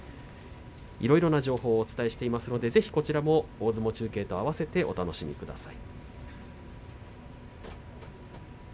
いろいろな情報をお伝えしていますのでぜひこちらも大相撲中継と合わせてお楽しみください。